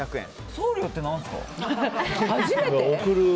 送料って何ですか？